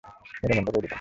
এটা বন্ধ করে দিলাম।